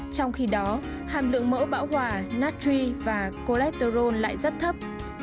trong khi đó hàm lượng mỡ bão hòa natri và cholesterol lại rất thấp